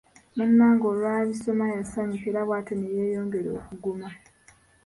Munnange olwabisoma yasanyuka era bw'atyo ne yeeyongera okuguma.